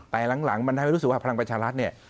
แต่หลังมันทำให้รู้สึกว่าพลังประชารัฐเนี่ย